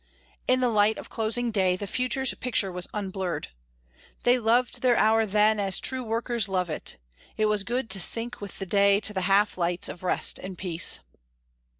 In the light of closing day the future's picture was unblurred. They loved their hour then as true workers love it; it was good to sink with the day to the half lights of rest and peace.